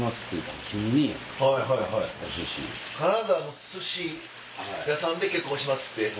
金沢のすし屋さんで「結婚します」って。